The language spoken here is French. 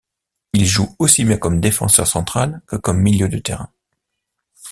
Il joue aussi bien comme défenseur central que comme milieu de terrain.